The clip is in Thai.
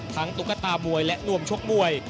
ตุ๊กตามวยและนวมชกมวย